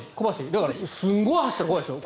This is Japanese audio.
だからすごい走ったら怖いですよ。